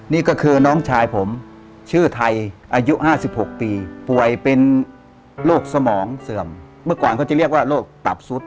นี่ก็คือน้องชายผมชื่อไทยอายุ๕๖ปีป่วยเป็นโรคสมองเสื่อมเมื่อก่อนเขาจะเรียกว่าโรคตับซุด